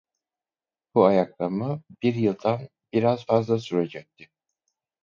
Bu ayaklanma bir yıldan biraz fazla sürecekti.